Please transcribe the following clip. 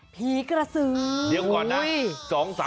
ผีกระสือเดี๋ยวก่อนนะ